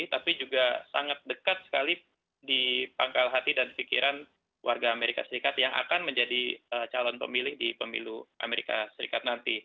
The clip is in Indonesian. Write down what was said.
tapi juga sangat dekat sekali di pangkal hati dan pikiran warga amerika serikat yang akan menjadi calon pemilih di pemilu amerika serikat nanti